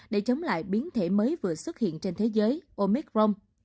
để chống lại biến thể mới vừa xuất hiện trên thế giới omecron